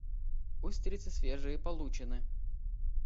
Устрицы свежие получены.